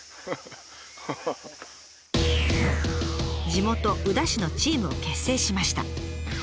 地元宇陀市のチームを結成しました。